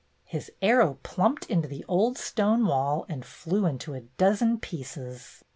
His arrow plumped into the old stone wall and flew into a dozen pieces.